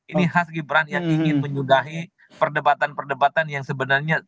ini khas gibran yang ingin menyudahi perdebatan perdebatan yang sebenarnya